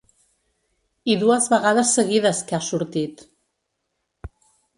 I dues vegades seguides, que ha sortit.